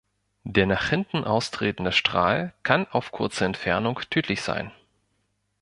Der nach hinten austretende Strahl kann auf kurze Entfernung tödlich sein.